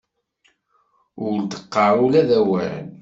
Ur d-qqar ula d awal.